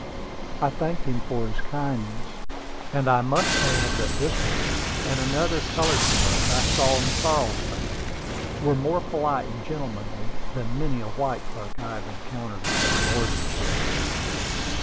I thanked him for his kindness; and I must add that this one and another colored clerk I saw in Charleston, were more polite and gentlemanly than many a white clerk I have encountered in more northern cities.